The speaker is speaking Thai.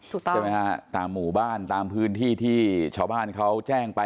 ใช่ไหมตามหมู่บ้านตามพื้นที่ที่เฉบบ้านเขาแจ้งไป